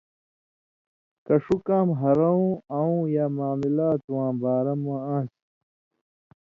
کہ ݜُو کام ہَرؤں اؤں یا معاملات واں بارہ مہ آن٘س۔